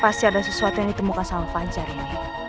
pasti ada sesuatu yang ditemukan sama fajar ya